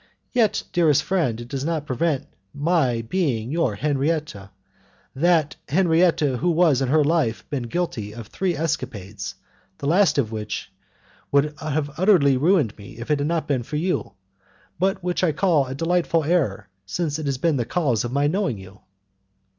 Yet, dearest friend, it does not prevent my being your Henriette that Henriette who has in her life been guilty of three escapades, the last of which would have utterly ruined me if it had not been for you, but which I call a delightful error, since it has been the cause of my knowing you."